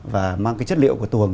và mang cái chất liệu của tù hồng